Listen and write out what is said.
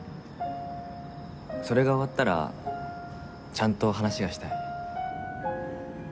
それが終わったらちゃんと話がしたい。